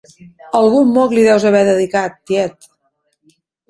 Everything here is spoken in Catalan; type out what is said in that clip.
Algun moc li deus haver dedicat, tiet!